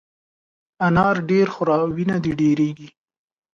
انار ډېر خوره ، وینه دي ډېرېږي !